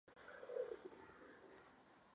Během devadesátých let vydal pět alb.